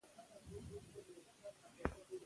سیاست د انسان د فکر، عقل او تجربې یو ګډ سیسټم دئ.